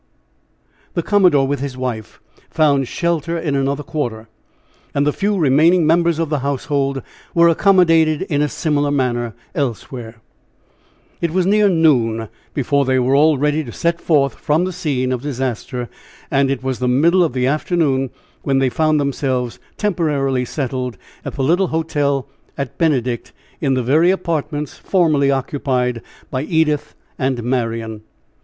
The commodore, with his wife, found shelter in another quarter. And the few remaining members of the household were accommodated in a similar manner elsewhere. It was near noon before they were all ready to set forth from the scene of disaster, and it was the middle of the afternoon when they found themselves temporarily settled at the little hotel at Benedict in the very apartments formerly occupied by Edith and Marian.